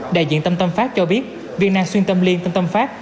đại diện tân tâm phát cho biết viên năng xuyên tâm liên tân tâm phát